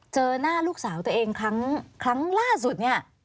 เจอหน้าลูกสาวตัวเองครั้งล่าสุดเนี่ย